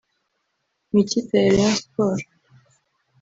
mu ikipe ya Rayon Sports